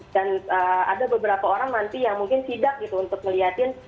dan ada beberapa orang nanti yang mungkin tidak gitu untuk ngeliatin